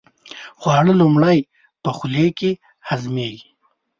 خواړه لومړی په خولې کې هضمېږي.